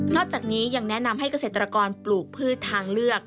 จากนี้ยังแนะนำให้เกษตรกรปลูกพืชทางเลือก